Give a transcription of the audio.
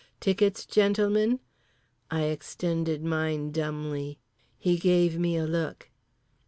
"Tickets, gentlemen?" I extended mine dumbly. He gave me a look.